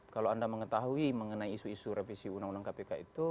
kalau anda mengetahui mengenai isu isu revisi undang undang kpk itu